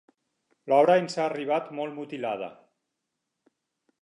L'obra ens ha arribat molt mutilada.